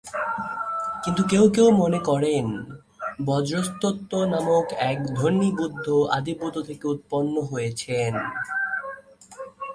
কিন্তু কেউ কেউ মনে করেন, বজ্রসত্ত্ব নামক এক ধ্যানীবুদ্ধ আদিবুদ্ধ থেকে উৎপন্ন হয়েছেন।